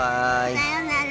さようなら。